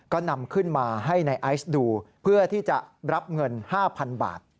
ก็นำขึ้นมาให้ในไอซ์ดูเพื่อที่จะรับเงิน๕๐๐๐บาท